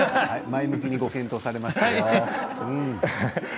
前向きにご検討されましたよ。